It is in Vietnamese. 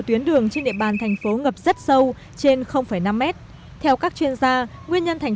tuyến đường trên địa bàn thành phố ngập rất sâu trên năm mét theo các chuyên gia nguyên nhân thành